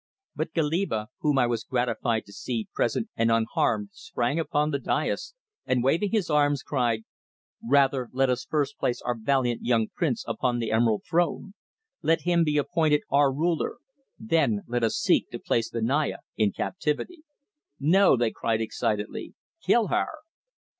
But Goliba, whom I was gratified to see present and unharmed, sprang upon the daïs, and waving his arms, cried: "Rather let us first place our valiant young prince upon the Emerald Throne. Let him be appointed our ruler; then let us seek to place the Naya in captivity." "No," they cried excitedly. "Kill her!"